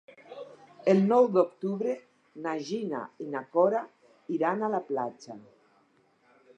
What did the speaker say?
El nou d'octubre na Gina i na Cora iran a la platja.